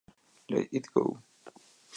Let It Go!